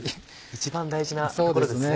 一番大事なところですね。